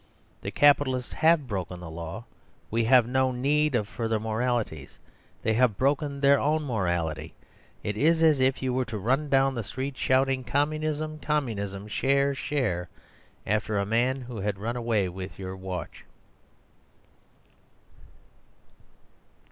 The capitalists have broken the law. We have no need of further moralities. They have broken their own morality. It is as if you were to run down the street shouting, "Communism! Communism! Share! Share!" after a man who had run away with your watch.